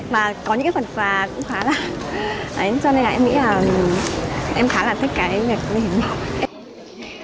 và có những phần xà cũng khá là cho nên là em nghĩ là em khá là thích cái hiến máu